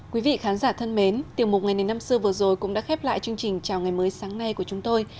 quý vị khán giả thân mến tiểu mục ngày này năm xưa vừa rồi cũng đã khép lại chương trình chào ngày mới sáng nay của chúng tôi